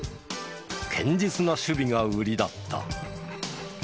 堅実な守備が売りだった。